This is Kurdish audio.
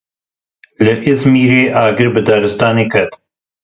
Li Îzmîrê agir bi daristanê ket.